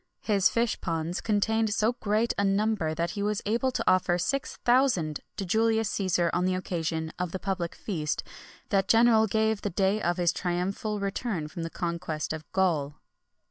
His fish ponds contained so great a number that he was able to offer six thousand to Julius Cæsar on the occasion of the public feast that general gave the day of his triumphal return from the conquest of Gaul.